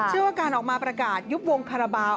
เชื่อว่าการออกมาประกาศยุบวงคาราบาล